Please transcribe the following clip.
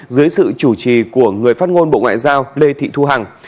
dưới sự chủ trì của người phát ngôn bộ ngoại giao lê thị thu hằng